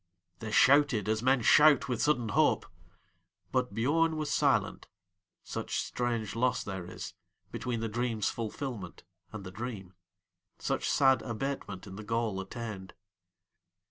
They shouted as men shout with sudden hope; But Biörn was silent, such strange loss there isBetween the dream's fulfilment and the dream, Such sad abatement in the goal attained.